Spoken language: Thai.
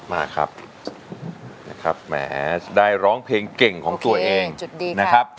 มาครับแหมได้ร้องเพลงเก่งของตัวเองโอเคจุดดีค่ะ